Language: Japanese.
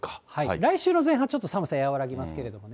来週の前半、ちょっと寒さ和らぎますけれどもね。